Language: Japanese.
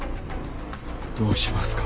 どうしますか？